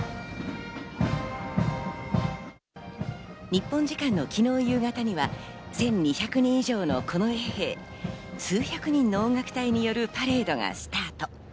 日本時間の昨日夕方には１２００人以上の近衛兵、数百人の音楽隊によるパレードがスタート。